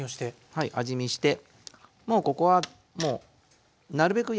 はい味見してもうここはもうなるべく柔らかく。